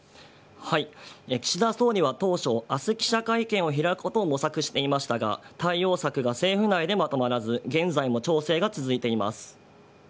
岸田総理は当初、あす記者会見を開くことを模索していましたが、対応策が政府内でまとまらず、現在も調整が続いています。